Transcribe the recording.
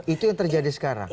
itu yang terjadi sekarang